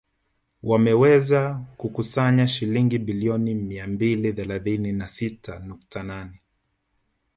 Wameweza kukusanya shilingi bilioni mia mbili thelathini na sita nukta nane